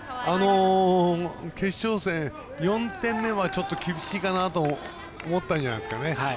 決勝戦４点目はちょっと厳しいかなと思ったんじゃないですかね。